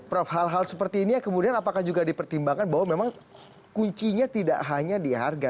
prof hal hal seperti ini kemudian apakah juga dipertimbangkan bahwa memang kuncinya tidak hanya di harga